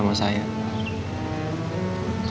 selalu nanyain saya